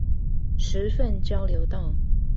十份交流道